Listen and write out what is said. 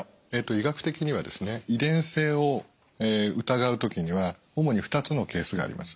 医学的にはですね遺伝性を疑う時には主に２つのケースがあります。